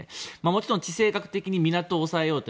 もちろん、地政学的に港を押さえようと。